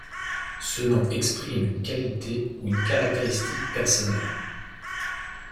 Ce nom exprime une qualité ou une caractéristique personnelle.